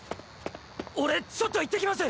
俺ちょっと行ってきます。